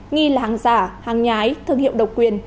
nghi là hàng giả hàng nhái thương hiệu độc quyền